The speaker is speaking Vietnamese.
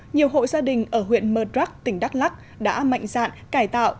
nhiều hội gia đình ở huyện mờ đrắc tỉnh đắk lắc đã mạnh dạn cải tạo